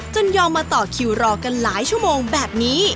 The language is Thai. ยอมมาต่อคิวรอกันหลายชั่วโมงแบบนี้